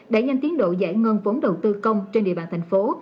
để nhanh tiến đội giải ngân vốn đầu tư công trên địa bàn thành phố